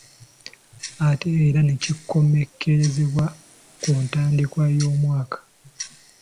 Ate era ne kikomekkerezebwa ku ntandikwa y’omwaka.